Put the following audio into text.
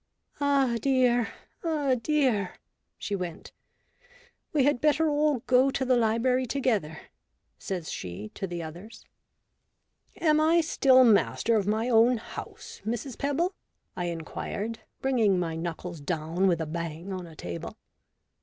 "Ah dear, ah dear!" she went, "We had better all go to the library together," says she to the others. " Am I still master of my own house, Mrs. 134 A BOOK OF BARGAINS. Pebble ?" I inquired, bringing my knuckles down with a bang on a table.